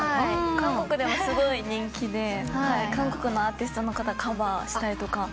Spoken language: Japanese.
韓国でもすごい人気で韓国のアーティストの方カバーしたりとかしてました。